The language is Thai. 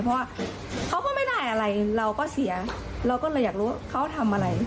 เพราะว่าเขาก็ไม่ได้อะไรเราก็เสียเราก็เลยอยากรู้เขาทำอะไร